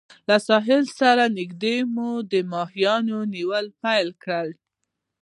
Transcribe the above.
له ساحل سره نږدې مو د ماهیانو نیول پیل کړل.